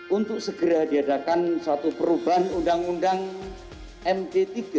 untuk segera diadakan suatu perubahan undang undang md tiga